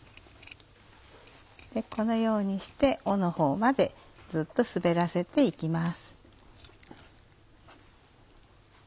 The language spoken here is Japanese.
このようにして尾のほうまでずっと滑らせて行きます。